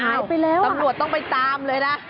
อ้าวตำรวจต้องไปตามเลยนะ